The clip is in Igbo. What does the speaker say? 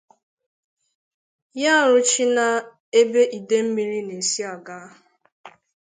ya arụchina ebe ide mmiri na-esi aga